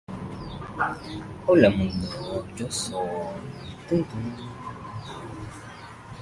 Había varios tipos de hilo.